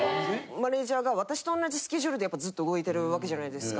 マネージャーが私と同じスケジュールでやっぱずっと動いてるわけじゃないですか。